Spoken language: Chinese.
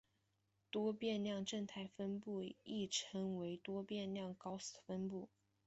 多变量正态分布亦称为多变量高斯分布。